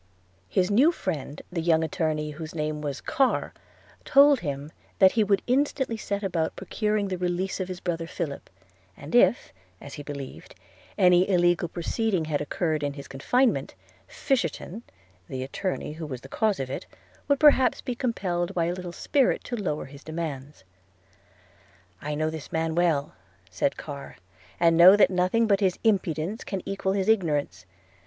His new friend, the young attorney, whose name was Carr, told him that he would instantly set about procuring the release of his brother Philip; and if, as he believed, any illegal proceeding had occurred in his confinement, Fisherton, the attorney who was the cause of it, would perhaps be compelled by a little spirit to lower his demands – 'I know this man well,' said Carr, 'and know that nothing but his impudence can equal his ignorance.